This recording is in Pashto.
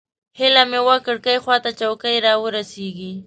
هیله مې وه کړکۍ خوا ته چوکۍ راورسېږي.